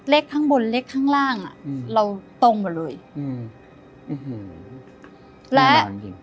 เลขข้างบนเลขข้างล่างเราตรงกว่าเลย